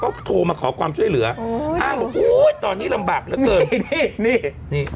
ก็โทรมาขอความช่วยเหลืออ้าวอุ้ยตอนนี้ลำบากแล้วเติบนี่นี่